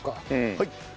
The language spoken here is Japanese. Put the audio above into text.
はい。